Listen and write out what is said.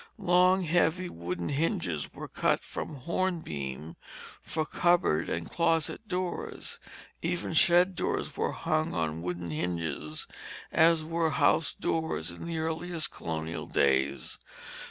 Long, heavy, wooden hinges were cut from horn beam for cupboard and closet doors; even shed doors were hung on wooden hinges as were house doors in the earliest colonial days.